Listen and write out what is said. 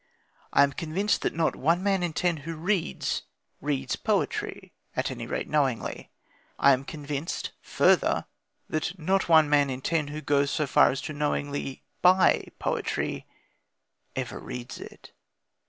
I am convinced that not one man in ten who reads, reads poetry at any rate, knowingly. I am convinced, further, that not one man in ten who goes so far as knowingly to buy poetry ever reads it.